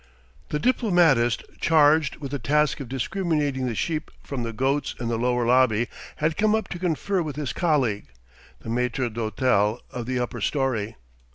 The diplomatist charged with the task of discriminating the sheep from the goats in the lower lobby had come up to confer with his colleague, the maître d'hôtel of the upper storey.